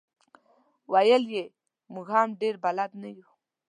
ویل یې موږ هم ډېر بلد نه یو.